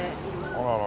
あらら。